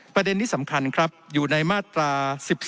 ประเด็นที่สำคัญครับอยู่ในมาตรา๑๔